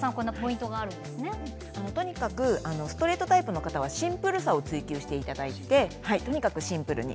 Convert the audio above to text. とにかくストレートタイプの方はシンプルさを追求していただいてとにかくシンプルに。